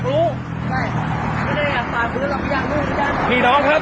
ขอเอ็ดผลหนึ่งเอ็ดผลครับ